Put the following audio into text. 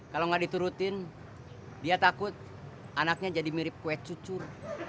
kalau nggak diturutin dia takut anaknya jadi mirip kue cucur